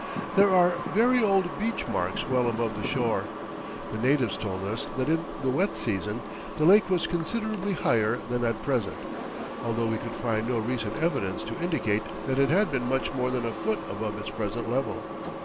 There are very old beach marks well above the shore. The natives told us that in the wet season the lake was considerably higher than at present, although we could find no recent evidence to indicate that it had been much more than a foot above its present level.